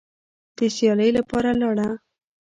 د سیالۍ لپاره لاړه